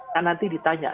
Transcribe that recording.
kan nanti ditanya